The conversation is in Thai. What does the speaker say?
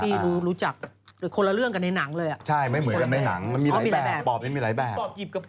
พี่รู้จักคนละเรื่องกันในหนังเลยอะ